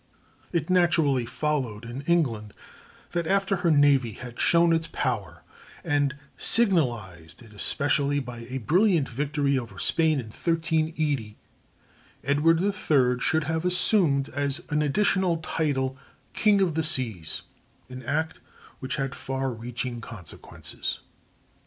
It naturally followed in England that after her navy had shown its power, and signalized it especially by a brilliant victory over Spain in 1380, Edward III should have assumed as an additional title "King of the Seas"—an act which had far reaching consequences.